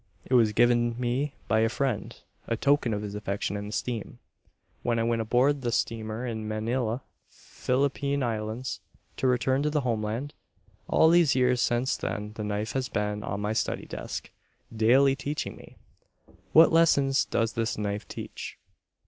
It was given me by a friend, a token of his affection and esteem, when I went aboard the steamer in Manila, Philippine Islands, to return to the homeland. All these years since then the knife has been on my study desk, daily teaching me. What lessons does this knife teach?